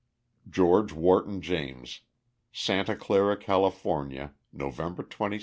GEORGE WHARTON JAMES. SANTA CLARA, CALIFORNIA, November 27, 1907.